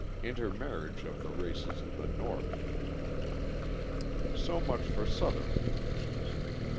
Intermarriage of the Races in the North So much for Southern conditions.